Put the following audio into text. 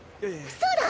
そうだ！